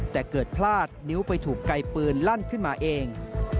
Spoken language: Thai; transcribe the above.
แต่เกิดพลาดนิ้วไปถูกไกลปืนลั่นขึ้นมาเอง